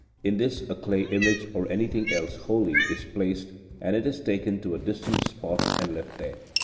In this a clay image, or anything else holy, is placed, and it is taken to a distant spot, and left there.